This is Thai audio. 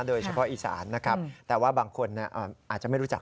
โดยเฉพาะอีสานนะครับแต่ว่าบางคนอาจจะไม่รู้จัก